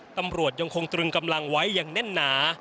ตำรวจยังคงตรึงกำลังไว้อย่างแน่นหนา